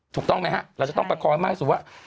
ถูกต้องไหมฮะเราจะต้องประคองให้มากที่สุดว่า